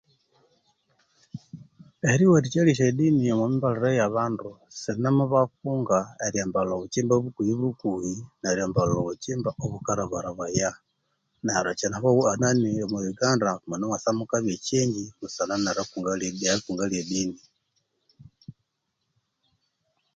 Eriwathikya lyesyadini omwa myambalire eya bandu sinemubakunga eryambalha obukyimba bukuhi bukuhi nerya ambalha obukyimba obuka rabarabaya neryo omwa Uganda munemwasa mukabya e kyengyi busana ne nerikunga elye dini.